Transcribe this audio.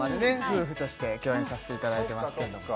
夫婦として共演させていただいてます